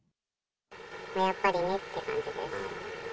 やっぱりねっていう感じです。